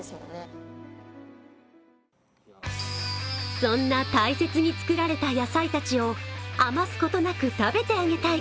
そんな大切に作られた野菜たちを余すことなく食べてあげたい。